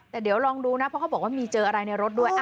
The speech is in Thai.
แต่เดี๋ยวลองดูนะเพราะเขาบอกว่ามีเจออะไรในรถด้วย